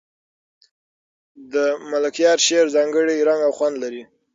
د ملکیار شعر ځانګړی رنګ او خوند لري.